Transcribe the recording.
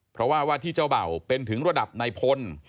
เพราะว่าว่าที่เจ้าเบ่าเป็นถึงระดับนายพล